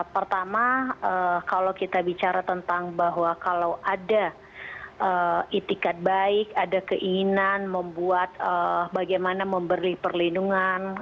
pertama kalau kita bicara tentang bahwa kalau ada itikat baik ada keinginan membuat bagaimana memberi perlindungan